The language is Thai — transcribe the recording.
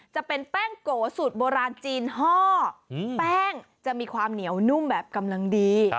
จะเป็นแป้งโกสูตรโบราณจีนห้อแป้งจะมีความเหนียวนุ่มแบบกำลังดี